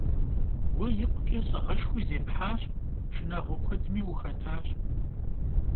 Vue yikhuç'e lh'ığeşşxui zêphaş, şşınağue kuedmi vuxetaş.